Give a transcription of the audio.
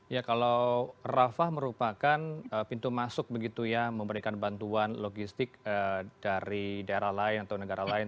ya kalau rafah merupakan pintu masuk begitu ya memberikan bantuan logistik dari daerah lain atau negara lain